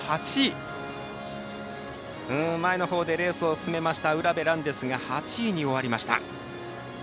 前のほうでレースを進めた卜部蘭ですが８位に終わりました。